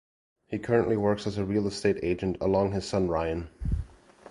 He currently works as a real estate agent alongside his son Ryan.